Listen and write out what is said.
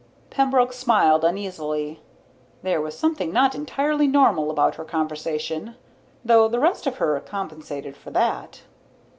Pembroke smiled, uneasily. There was something not entirely normal about her conversation. Though the rest of her compensated for that.